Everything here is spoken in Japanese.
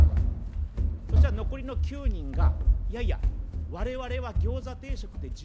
そしたら残りの９人が「いやいや我々はギョーザ定食で十分だ」って言うわけ。